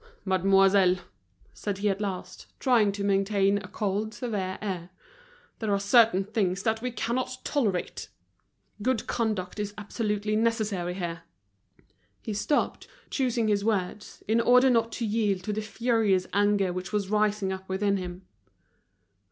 "Mademoiselle," said he at last, trying to maintain a cold, severe air, "there are certain things that we cannot tolerate. Good conduct is absolutely necessary here." He stopped, choosing his words, in order not to yield to the furious anger which was rising up within him.